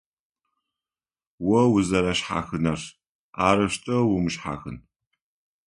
О узэрэшъхьахынэр - арэущтэу умышъхьахын.